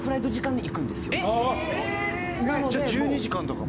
・じゃあ１２時間とかも？